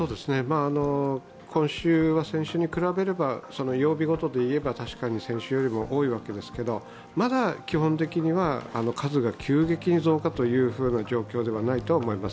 今週は先週に比べれば曜日ごとでいえば多いわけですけれどもまだ基本的には数が急激に増加という状況ではないと思います。